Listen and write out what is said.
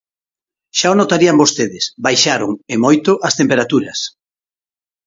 Xa o notarían vostedes: baixaron, e moito, as temperaturas.